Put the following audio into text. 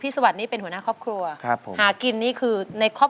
สวัสดีด้วยนะคะ